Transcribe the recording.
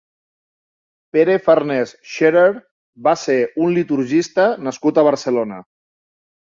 Pere Farnés Scherer va ser un liturgista nascut a Barcelona.